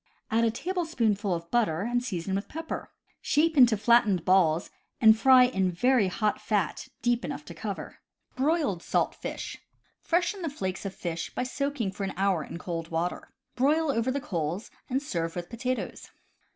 Add a tablespoonful of butter and season with pepper. Shape into flattened balls, and fry in very hot fat deep enough to cover. 148 CAMPING AND WOODCRAFT Broiled Salt Fish. — Freshen the flakes of fish by soaking for an hour in cold water. Broil over the coals, and serve with potatoes.